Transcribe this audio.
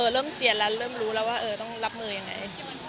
เริ่มเสียแล้วว่าต้องรับมือยังไง